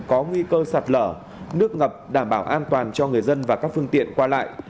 có nguy cơ sạt lở nước ngập đảm bảo an toàn cho người dân và các phương tiện qua lại